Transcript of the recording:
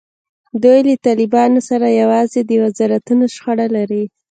دوی له طالبانو سره یوازې د وزارتونو شخړه لري.